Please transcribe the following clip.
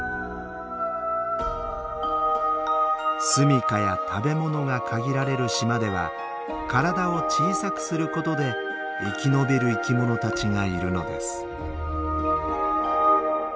すみかや食べ物が限られる島では体を小さくすることで生き延びる生き物たちがいるのです。